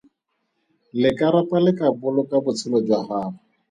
Lekarapa le ka boloka botshelo jwa gago.